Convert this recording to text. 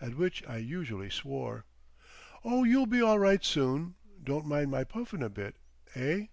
At which I usually swore. "Oh, you'll be all right soon. Don't mind my puffin' a bit? Eh?"